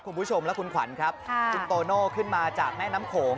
คุณผู้ชมและคุณขวัญครับคุณโตโน่ขึ้นมาจากแม่น้ำโขง